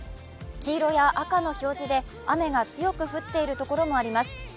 黄色や赤の表示で雨が強く降っているところもあります。